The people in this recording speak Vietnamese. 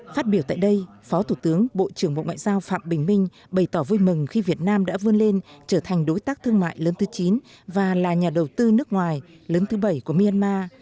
phát biểu tại đây phó thủ tướng bộ trưởng bộ ngoại giao phạm bình minh bày tỏ vui mừng khi việt nam đã vươn lên trở thành đối tác thương mại lớn thứ chín và là nhà đầu tư nước ngoài lớn thứ bảy của myanmar